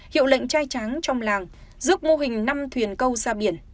hiệu lệnh trai tráng trong làng giúp mô hình năm thuyền câu ra biển